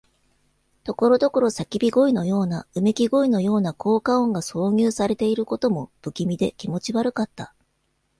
ところどころ叫び声のような、うめき声のような効果音が挿入されていることも、不気味で気持ち悪かった。